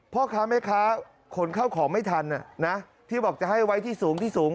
พ่อค้าแม่ค้าขนเข้าของไม่ทันที่บอกจะให้ไว้ที่สูงที่สูง